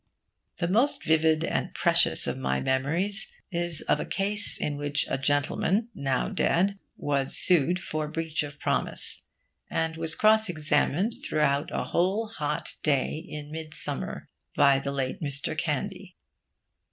The most vivid and precious of my memories is of a case in which a gentleman, now dead, was sued for breach of promise, and was cross examined throughout a whole hot day in midsummer by the late Mr. Candy.